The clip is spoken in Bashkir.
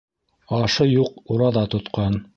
Ашы юҡ ураҙа тотҡан